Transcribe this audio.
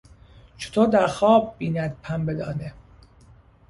شتر در خواب بیند پنبه دانه...